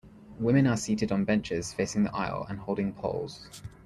Women are seated on benches facing the aisle and holding poles.